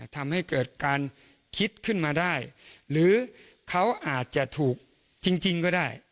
ทำให้เกิดการคิดขึ้นมาได้หรือเขาอาจจะถูกจริงก็ได้